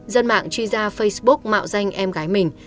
dân mạng chia ra facebook mạo danh em gái mình